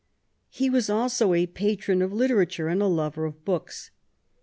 He was also a patron of literature and a lover of books.